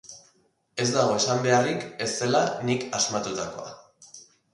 Ez dago esan beharrik ez zela nik asmatutakoa.